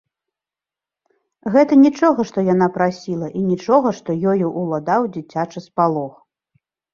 Гэта нічога, што яна прасіла, і нічога, што ёю ўладаў дзіцячы спалох.